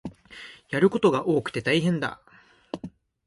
やることが多くて大変だ